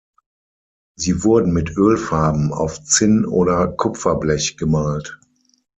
Sie wurden mit Ölfarben auf Zinn- oder Kupferblech gemalt.